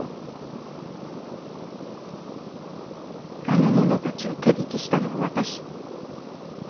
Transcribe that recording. あの者たちを手引きしたのは私。